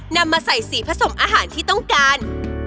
นำมาใส่สีผสมอาหารที่ต้องการ